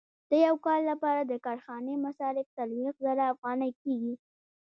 د یو کال لپاره د کارخانې مصارف څلوېښت زره افغانۍ کېږي